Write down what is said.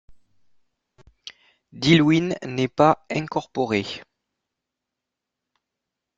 Dillwyn n’est pas incorporée.